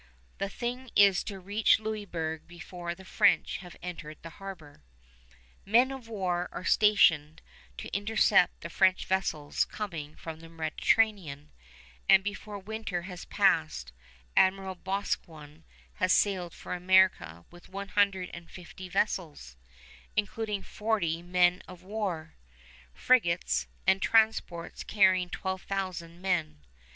The thing is to reach Louisburg before the French have entered the harbor. Men of war are stationed to intercept the French vessels coming from the Mediterranean, and before winter has passed Admiral Boscawen has sailed for America with one hundred and fifty vessels, including forty men of war, frigates, and transports carrying twelve thousand men.